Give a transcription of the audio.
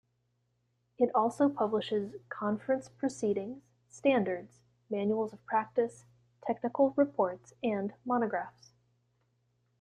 It also publishes conference proceedings, standards, manuals of practice, technical reports, and monographs.